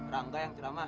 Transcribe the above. rangga yang cerama